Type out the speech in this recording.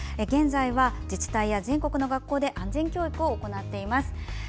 現在は自治体は全国の学校で安全教育を行っています。